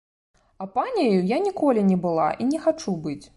А паняю я ніколі не была і не хачу быць.